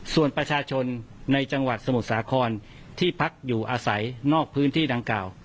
ส่วนประชาชนในจังหวัดสมุทรสาครที่พักอยู่อาศัยนอกพื้นที่ดังกล่าว